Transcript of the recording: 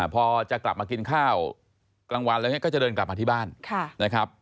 พอจะกลับมากินข้าวกลางวันอะไรอย่างนี้ก็จะเดินกลับมาที่บ้านนะครับ